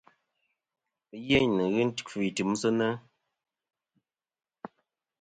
Ɨyêyn nɨ̀n ghɨ nkfɨ i timsɨnɨ.